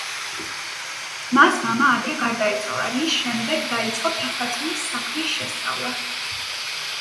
მას მამა ადრე გარდაეცვალა, რის შემდეგ დაიწყო ფეხსაცმლის საქმის შესწავლა.